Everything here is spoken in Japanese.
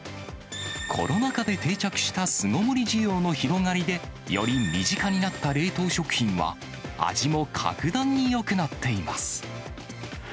コロナ禍で定着した巣ごもり需要の広がりで、より身近になった冷凍食品は、味も格段によくなっています。